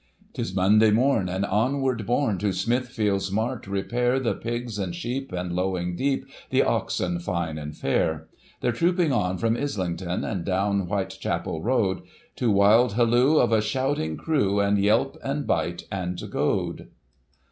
'Tis Monday morn, and onward borne to Smithfield's mart repair The pigs and sheep, and, lowing deep, the oxen fine and fair ; They're trooping on from Islington, and down Whitechapel road. To wild halloo of a shouting crew, and yelp, and bite, and goad.